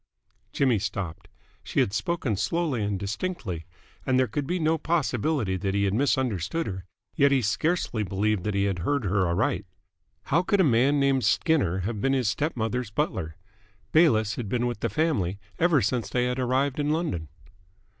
Jimmy stopped. She had spoken slowly and distinctly, and there could be no possibility that he had misunderstood her, yet he scarcely believed that he had heard her aright. How could a man named Skinner have been his step mother's butler? Bayliss had been with the family ever since they had arrived in London.